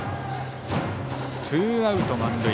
ツーアウト満塁。